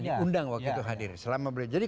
diundang waktu itu hadir jadi